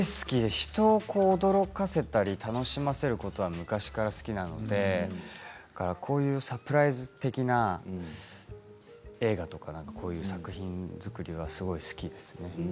人を驚かせたり楽しませることは昔から好きなのでこういうサプライズ的な映画とかこういう作品作りは好きですね。